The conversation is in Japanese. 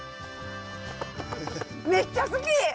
めっちゃ好き！